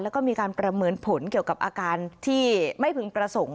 แล้วก็มีการประเมินผลเกี่ยวกับอาการที่ไม่พึงประสงค์